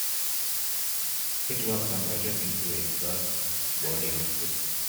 It was converted into a girls' boarding school.